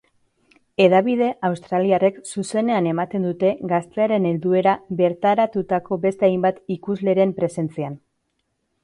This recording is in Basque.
Hedabide australiarrek zuzenean eman dute gaztearen helduera bertaratutako beste hainbat ikusleren presentzian.